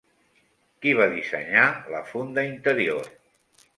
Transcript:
Qui va dissenyar la funda interior?